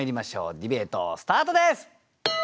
ディベートスタートです。